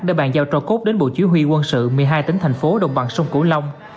để bàn giao trò cốt đến bộ chủ yếu huy quân sự một mươi hai tỉnh thành phố đồng bạc sông cổ long